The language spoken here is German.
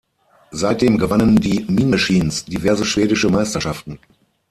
Seitdem gewannen die Mean Machines diverse schwedische Meisterschaften.